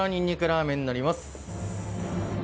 ラーメンになります